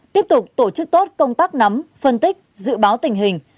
tiếp tục tổ chức tốt công tác nắm phân tích dự báo tình hình